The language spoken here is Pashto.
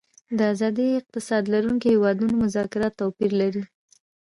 د آزاد اقتصاد لرونکو هیوادونو مذاکرات توپیر لري